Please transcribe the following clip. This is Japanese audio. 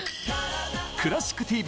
「クラシックＴＶ」